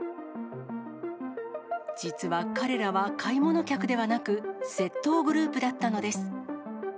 実は彼らは買い物客ではなく、窃盗グループだったのです。